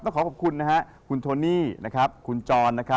และขอบคุณคุณโพนี้คุณจอห์น